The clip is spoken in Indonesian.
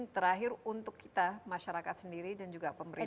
terakhir untuk kita masyarakat sendiri dan juga pemerintah